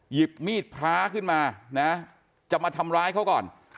หยิบมีดพระขึ้นมานะจะมาทำร้ายเขาก่อน